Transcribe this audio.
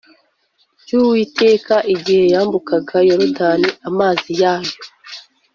ry uwiteka igihe yambukaga yorodani amazi yayo